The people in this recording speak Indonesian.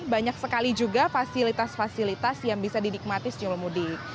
banyak sekali juga fasilitas fasilitas yang bisa didikmati si yul mudik